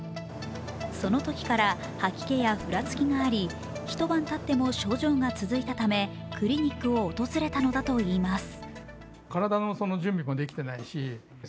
そのときから吐き気やふらつきがあり、一晩たっても症状が続いたためクリニックを訪れたのだといいます。